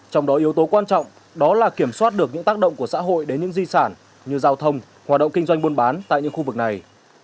trong đó yếu tố quan trọng đó là kiểm soát được những tác động của xã hội đến những di sản như giao thông hoạt động kinh doanh buôn bán tại những khu vực này